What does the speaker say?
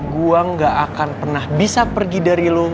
gua gak akan pernah bisa pergi dari lo